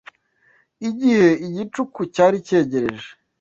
Igihe igicuku cyari cyegereje